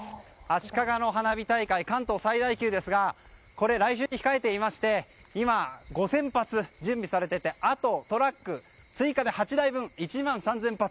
足利の花火大会は関東最大級ですが来週に控えていまして今、５０００発が準備されていてあとトラック、追加で８台分１万３０００発。